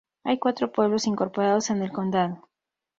Hay cuatro pueblos incorporados en el condado.